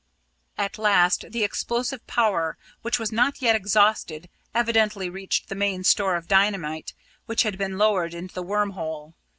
At last the explosive power, which was not yet exhausted, evidently reached the main store of dynamite which had been lowered into the worm hole.